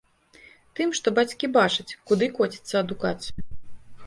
Тым, што бацькі бачаць, куды коціцца адукацыя.